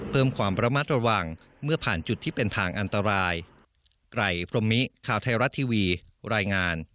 เพิ่มความระมัดระวังเมื่อผ่านจุดที่เป็นทางอันตราย